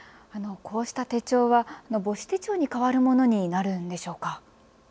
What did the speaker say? こうした手帳は母子手帳に代わるものになるんでしょうか。